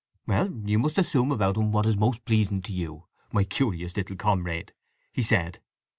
"Well, you must assume about him what is most pleasing to you, my curious little comrade!" he said.